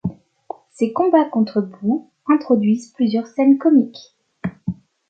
Ses combats contre Boo introduisent plusieurs scènes comiques.